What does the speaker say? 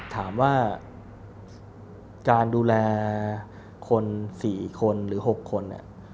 ถามว่าการดูแลคน๔คนหรือ๖คน